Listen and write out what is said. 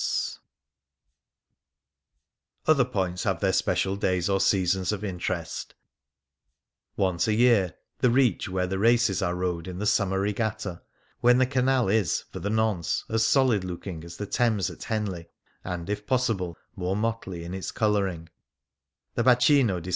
"*" 40 The Grand Canal Other points have their special days or seasons of interest ; once a year, the reach where the races are rowed in the summer regatta — when the Canal is, for the nonce, as solid looking as the Thames at Henley, and, if possible, more motley in its colouring ; the Bacino di S.